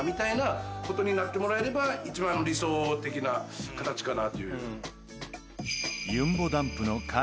みたいなことになっていただければ一番理想的な形かな。